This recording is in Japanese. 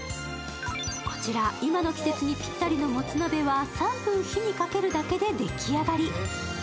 こちら今の季節にぴったりのモツ鍋は３分火にかけるだけででき上がり。